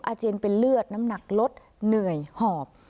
เจียนเป็นเลือดน้ำหนักลดเหนื่อยหอบ